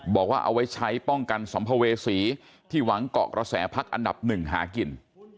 บอกว่าเอาไว้ใช้ป้องกันสัมภเวษีที่หวังเกาะกระแสพักอันดับหนึ่งหากิน